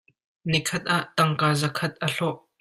Nikhat ah tangka zakhat a hlawh.